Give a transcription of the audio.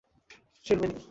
সে রুমে নেই!